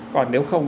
còn nếu không